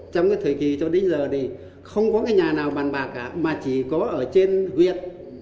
trong cái thời kỳ cho đến giờ thì không có cái nhà nào bàn bạc cả mà chỉ có ở trên huyện